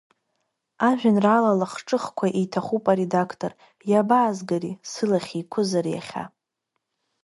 Ажәеинраала лахҿыхқәа иҭахуп аредақтор, иабаазгари, сылахь еиқәызар иахьа.